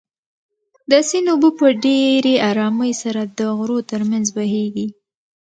د سیند اوبه په ډېرې ارامۍ سره د غرو تر منځ بهېږي.